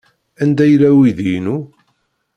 Anda yella uydi-inu?